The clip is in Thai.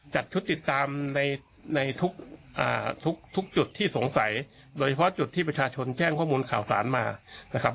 จัดชุดติดตามในทุกทุกจุดที่สงสัยโดยเฉพาะจุดที่ประชาชนแจ้งข้อมูลข่าวสารมานะครับ